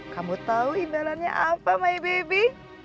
kamu tahu hindarannya apa my baby